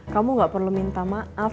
kamu gak perlu minta maaf